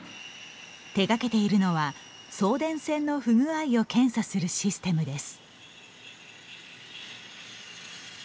手がけているのは送電線の不具合を検査するシステムです。